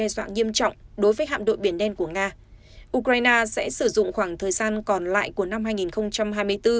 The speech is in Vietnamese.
hạm đội biển đen của nga sẽ sử dụng khoảng thời gian còn lại của năm hai nghìn hai mươi bốn